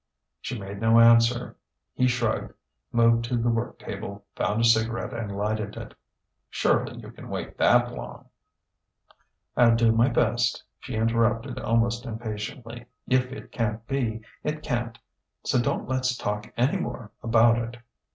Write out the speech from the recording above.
She made no answer. He shrugged, moved to the work table, found a cigarette and lighted it. "Surely you can wait that long " "I'll do my best," she interrupted almost impatiently. "If it can't be, it can't. So don't let's talk any more about it."